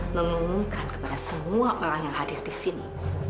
mengumumkan kepada semua orang yang hadir di sini